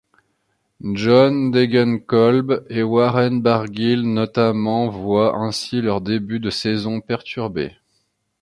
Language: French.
John Degenkolb et Warren Barguil notamment voient ainsi leur début de saison perturbé.